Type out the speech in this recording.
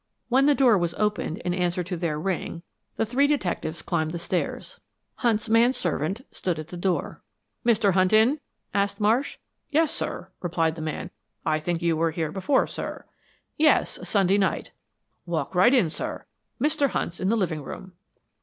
When the door was opened, in answer to their ring, the three detectives climbed the stairs. Hunt's man servant stood at the door. "Mr. Hunt in?" asked Marsh. "Yes, sir," replied the man. "I think you were here before, sir." "Yes, Sunday night." "Walk right in, sir. Mr. Hunt's in the living room."